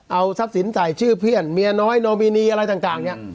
เอาทรัพย์สินใส่ชื่อเพื่อนเมียน้อยโนมินีอะไรต่างเนี่ย